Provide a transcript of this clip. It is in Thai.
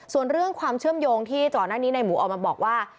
ส่วนเรื่องความเชื่อมโยงที่ก่อนหน้านี้ในหมูออกมาบอกว่า